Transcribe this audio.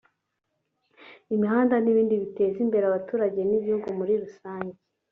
imihanda n’ibindi biteza imbere abaturage n’igihugu muri rusange